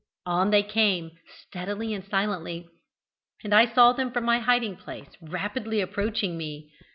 On they came, steadily and silently, and I saw them from my hiding place rapidly approaching me.